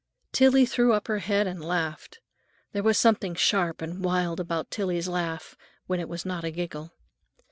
Tillie threw up her head and laughed; there was something sharp and wild about Tillie's laugh—when it was not a giggle.